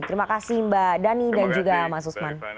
terima kasih mbak dhani dan juga mas usman